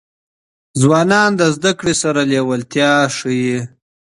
ځوانان د زدهکړو سره لېوالتیا ښيي.